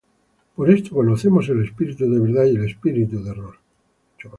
Por esto conocemos el espíritu de verdad y el espíritu de error.